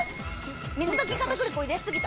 水溶き片栗粉入れすぎた。